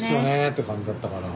って感じだったから。